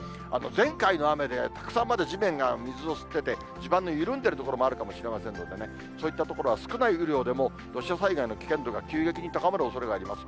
前回の雨でたくさんまだ地面が水を吸ってて、地盤の緩んでいる所もあるかもしれませんのでね、そういった所は少ない雨量でも土砂災害の危険度が急激に高まるおそれがあります。